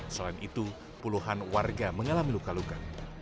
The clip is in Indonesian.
selain itu puluhan warga mengalami luka luka